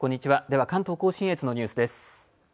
では関東甲信越のニュースです。